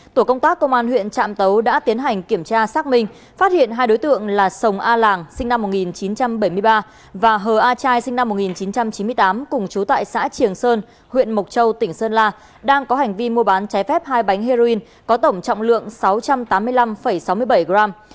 tổ công tác công an huyện trạm tấu đã tiến hành kiểm tra xác minh phát hiện hai đối tượng là sồng a làng sinh năm một nghìn chín trăm bảy mươi ba và hờ a trai sinh năm một nghìn chín trăm chín mươi tám cùng chú tại xã triềng sơn huyện mộc châu tỉnh sơn la đang có hành vi mua bán trái phép hai bánh heroin có tổng trọng lượng sáu trăm tám mươi năm sáu mươi bảy gram